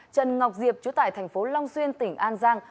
trần ngọc diệp chú tại thành phố long xuyên tỉnh an giang